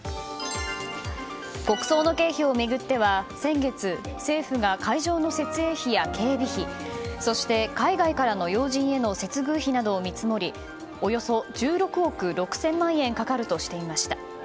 国葬の経費を巡っては、先月政府が会場の設営費や警備費そして、海外からの要人への接遇費を見積もりおよそ１６億６０００万円かかるとしていました。